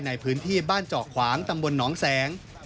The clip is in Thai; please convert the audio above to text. ในพื้นที่บ้านเจาะขวางตำบลหนองแสง